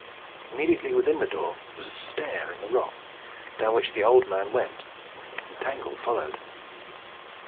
Immediately within the door was a stair in the rock, down which the old man went, and Tangle followed.